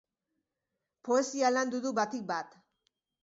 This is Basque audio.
Poesia landu du batik bat.